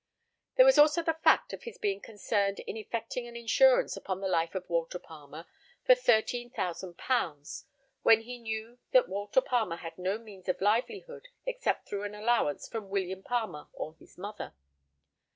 There was also the fact of his being concerned in effecting an insurance upon the life of Walter Palmer for £13,000, when he knew that Walter Palmer had no means of livelihood except through an allowance from William Palmer or his mother.